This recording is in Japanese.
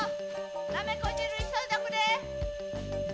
なめこ汁急いどくれ！